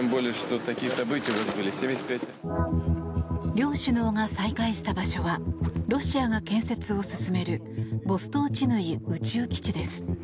両首脳が再会した場所はロシアが建設を進めるボストーチヌイ宇宙基地です。